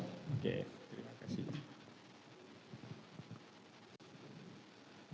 oke terima kasih